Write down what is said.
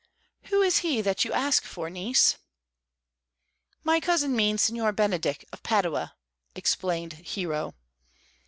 "Who is he that you ask for niece?" "My cousin means Signor Benedick of Padua," explained Hero.